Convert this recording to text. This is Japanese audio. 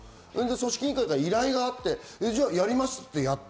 組織委員会から依頼があって、じゃあ、やりますと言ってやった。